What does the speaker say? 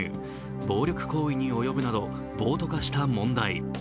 暴力行為に及ぶなど暴徒化した問題。